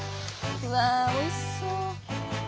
うわおいしそう！